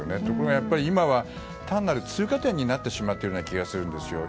ところが、今は単なる通過点になってしまったような気がするんです。